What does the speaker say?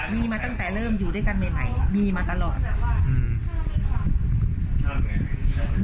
มีมาตั้งแต่เริ่มอยู่ด้วยกันใหม่ใหม่มีมาตลอดอืม